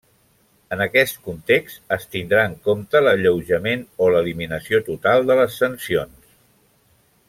En aquest context, es tindrà en compte l'alleujament o l'eliminació total de les sancions.